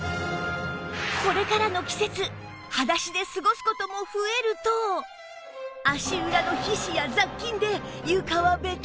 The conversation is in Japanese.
これからの季節裸足で過ごす事も増えると足裏の皮脂や雑菌で床はべたべた